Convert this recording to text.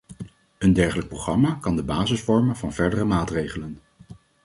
Een dergelijk programma kan de basis vormen van verdere maatregelen.